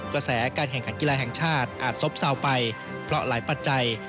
กระแสการแข่งขันกีฬาแห่งชาติอาจซบเซาไปเพราะหลายปัจจัย